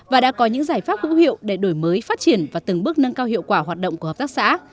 và đã có những giải pháp hữu hiệu để đổi mới phát triển và từng bước nâng cao hiệu quả hoạt động của hợp tác xã